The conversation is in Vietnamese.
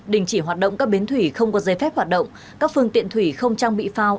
đình chỉ hoạt động các bến thủy không có dây phép hoạt động các phương tiện thủy không trang bị phao